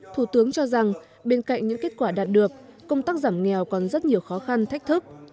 thủ tướng cho rằng bên cạnh những kết quả đạt được công tác giảm nghèo còn rất nhiều khó khăn thách thức